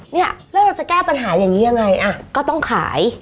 เนี่ยแล้วเราจะแก้ปัญหาอย่างนี้ยังไงอ่ะก็ต้องขาย